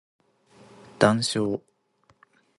談笑